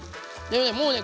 でもね